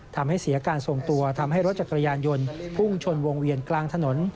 ทำให้เสียการทรงตัวทำให้รถจักรยานยนต์พุ่งชนวงเวียนกลางถนน